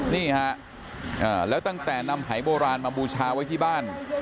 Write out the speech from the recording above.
นี่ฮะแล้วตั้งแต่นำหายโบราณมาบูชาไว้ที่บ้าน